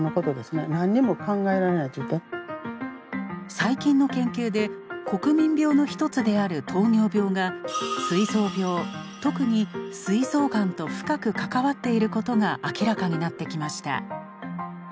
最近の研究で国民病の一つである糖尿病がすい臓病特にすい臓がんと深く関わっていることが明らかになってきました。